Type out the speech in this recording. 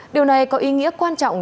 điều này có ý nghĩa quan trọng